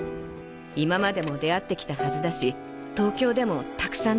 今までも出会ってきたはずだし東京でもたくさん出会うと思う。